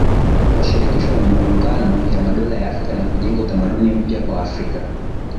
kwa Shirikisho la Maungano ya Madola ya Afrika na kujenga utamaduni mpya kwa Afrika